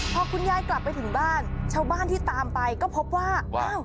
พอคุณยายกลับไปถึงบ้านชาวบ้านที่ตามไปก็พบว่าว้าว